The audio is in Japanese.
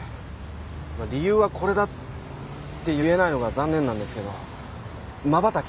理由はこれだって言えないのが残念なんですけどまばたき。